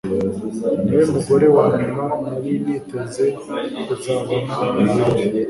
niwe mugore wanyuma nari niteze kuzabona mubirori